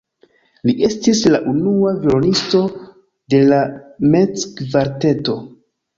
Li estis la unua violonisto de la Metz-kvarteto.